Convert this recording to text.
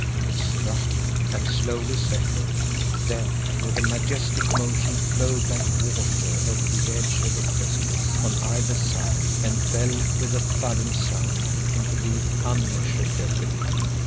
It struck and slowly separated, then with a majestic motion flowed like water over the edge of the precipice on either side, and fell with a thudding sound into the unmeasured depths beneath.